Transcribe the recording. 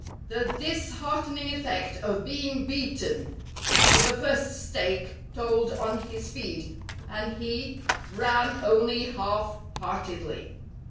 The disheartening effect of being beaten to the first stake told on his speed, and he ran only half heartedly.